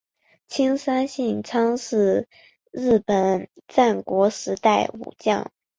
青山信昌是日本战国时代武将。